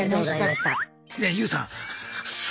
いやＹＯＵさん。